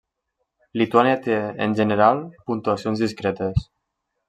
Lituània té, en general, puntuacions discretes.